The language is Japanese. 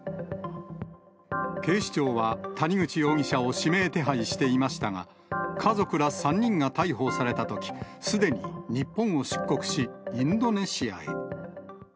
警視庁は谷口容疑者を指名手配していましたが、家族ら３人が逮捕されたとき、すでに日本を出国し、インドネシアへ。